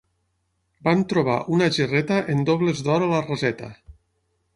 Van trobar una gerreta amb dobles d'or a la raseta.